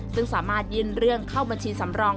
ซึ่งสามารถยื่นเรื่องเข้าบัญชีสำรอง